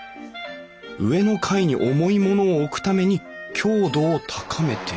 上の階に重い物を置くために強度を高めている。